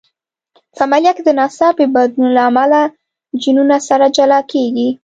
په عملیه کې د ناڅاپي بدلون له امله جینونه سره جلا کېږي.